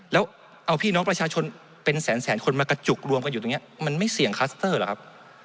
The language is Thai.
แล้วเอาพี่น้องประชาชนเป็นแสนคนมากระจุกรวมกันอยู่ตรงนี้มันไม่เสี่ยงคลัสเตอร์เหรอครับ